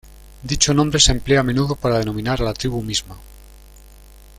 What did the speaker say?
Dicho nombre se emplea a menudo para denominar a la tribu misma.